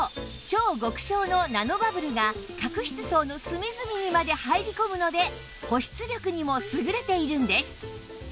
超極小のナノバブルが角質層の隅々にまで入り込むので保湿力にも優れているんです